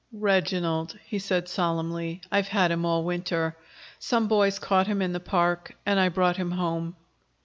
"Reginald," he said solemnly. "I've had him all winter. Some boys caught him in the park, and I brought him home."